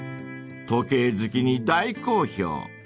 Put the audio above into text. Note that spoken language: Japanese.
［時計好きに大好評］